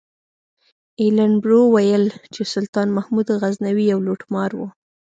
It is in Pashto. ایلن برو ویل چې سلطان محمود غزنوي یو لوټمار و.